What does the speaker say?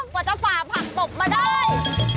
กว่าจะฝ่าผักตบมาได้